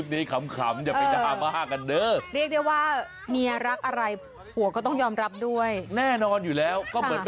แต่เอาจริงเขาก็รักกันอยู่แล้ว